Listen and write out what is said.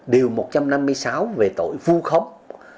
điều một trăm năm mươi sáu về tội vu khống